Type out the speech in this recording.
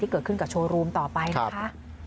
เกิดขึ้นกับโชว์รูมต่อไปนะคะ